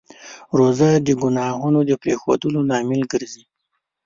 روژه د ګناهونو د پرېښودو لامل ګرځي.